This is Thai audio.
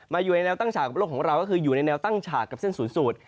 อยู่ในแววตั้งฉากของโลกของเราก็คืออยู่ในแนวตั้งฉากกับเส้นศูนย์สูตร